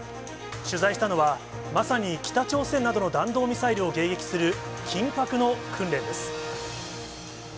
取材したのは、まさに北朝鮮などの弾道ミサイルを迎撃する緊迫の訓練です。